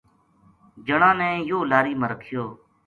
جنا نے یوہ لاری ما رکھیو